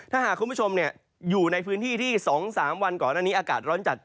ถ้าหากคุณผู้ชมอยู่ในพื้นที่ที่๒๓วันก่อนอันนี้อากาศร้อนจัด